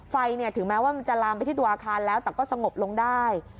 ถึงแม้ว่ามันจะลามไปที่ตัวอาคารแล้วแต่ก็สงบลงได้